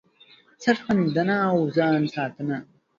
سر ښندنه او ځان ساتنه